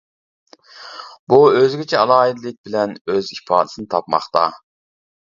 بۇ ئۆزگىچە ئالاھىدىلىك بىلەن ئۆز ئىپادىسىنى تاپماقتا.